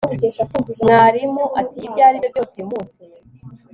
Mwarimu ati Ibyo aribyo byose uyu munsi